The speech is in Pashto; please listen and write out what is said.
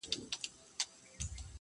لکه چرگ، غول خوري، مشوکه څنډي.